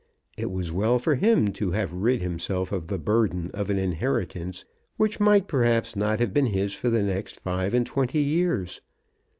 It was well for him to have rid himself of the burden of an inheritance which might perhaps not have been his for the next five and twenty years.